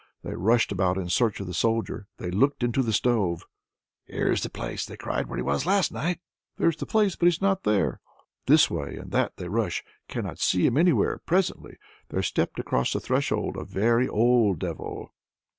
They rushed about in search of the Soldier; they looked into the stove "Here's the place," they cried, "where he was last night." "There's the place, but he's not there." This way and that they rush, cannot see him anywhere. Presently there stepped across the threshold a very old devil.